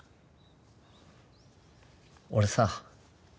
俺さ